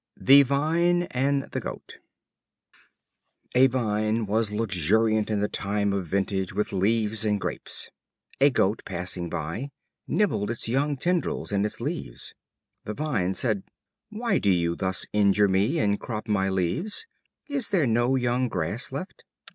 The Vine and the Goat. A Vine was luxuriant in the time of vintage with leaves and grapes. A Goat, passing by, nibbled its young tendrils and its leaves. The Vine said: "Why do you thus injure me and crop my leaves? Is there no young grass left?